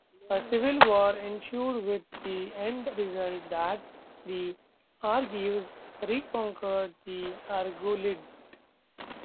A civil war ensued, with the end result that the Argives re-conquered the Argolid.